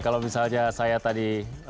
kalau misalnya saya tadi